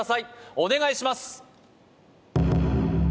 お願いします